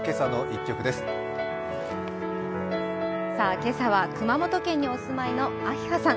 今朝は熊本県にお住まいのあひはさん。